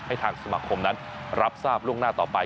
ให้ทางสมาคมนั้นรับทราบล่วงหน้าต่อไป